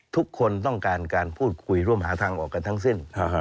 ทุกคนต้องการการพูดคุยร่วมหาทางออกกันทั้งสิ้น